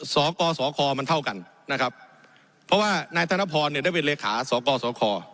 สกสคมันเท่ากันนะครับเพราะว่านายธนพรเนี่ยได้เป็นเลขาสกสค